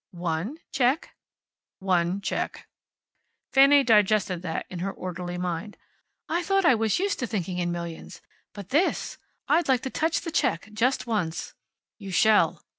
"One check?" "One check." Fanny digested that in her orderly mind. "I thought I was used to thinking in millions. But this I'd like to touch the check, just once." "You shall."